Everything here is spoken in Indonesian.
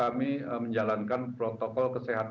akibat perjalanan poker berangkut